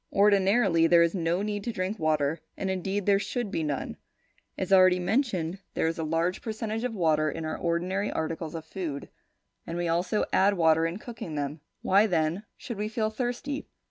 Ordinarily, there is no need to drink water; and indeed, there should be none. As already mentioned, there is a large percentage of water in our ordinary articles of food, and we also add water in cooking them. Why then should we feel thirsty?